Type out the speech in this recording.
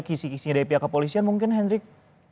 kisih kisihnya dari pihak kepolisian mungkin hendrik